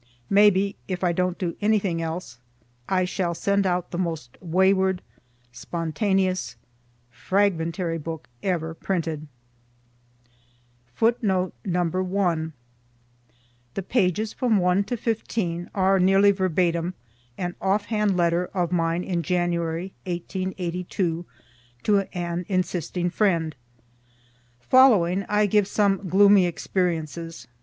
May be, if I don't do anything else, I shall send out the most wayward, spontaneous, fragmentary book ever printed. Note: The pages from 1 to 15 are nearly verbatim an off hand letter of mine in January, 1882, to an insisting friend. Following, I give some gloomy experiences.